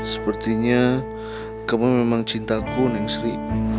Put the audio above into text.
sepertinya kamu memang cintaku neng sri